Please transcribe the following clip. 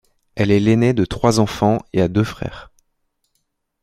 Elle est l'aînée de trois enfants et a deux frères.